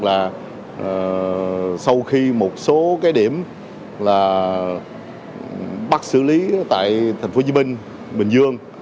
là sau khi một số cái điểm là bắt xử lý tại tp hcm bình dương